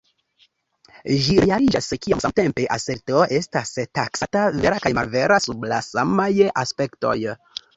Ĝi realiĝas kiam samtempe aserto estas taksata vera kaj malvera sub la samaj aspektoj.